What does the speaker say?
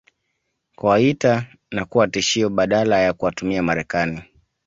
kuwaita na kuwa tishio badala ya kuwatumia Marekani